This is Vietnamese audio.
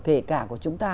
kể cả của chúng ta